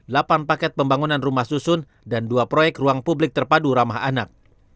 delapan paket pembangunan rumah susun dan dua proyek ruang publik terpadu ramah anak